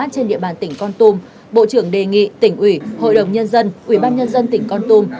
trên địa bàn tỉnh con tum bộ trưởng đề nghị tỉnh ủy hội đồng nhân dân ủy ban nhân dân tỉnh con tum